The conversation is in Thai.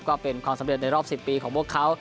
ก็เป็นความสำเร็จในรอบ๑๐ปีของพวกเขา